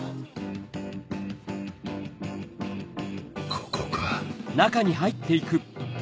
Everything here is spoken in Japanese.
ここか？